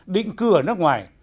định cư ở nước ngoài